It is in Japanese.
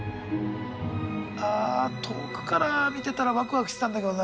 あ遠くから見てたらワクワクしてたんだけどな。